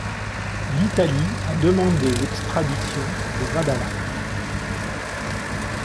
L'Italie a demandé l'extradition de Vadala.